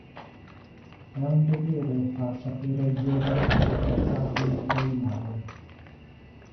E' un dovere far sapere ai giovani ciò che accadde in quei lager.